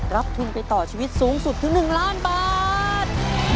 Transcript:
รับทุนไปต่อชีวิตสูงสุดที่หนึ่งล้านบาท